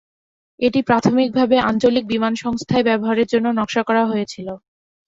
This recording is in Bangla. এটি প্রাথমিকভাবে আঞ্চলিক বিমান সংস্থায় ব্যবহারের জন্য নকশা করা হয়েছিল।